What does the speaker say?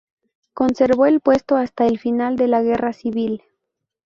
Conservó el puesto hasta el final de la Guerra Civil.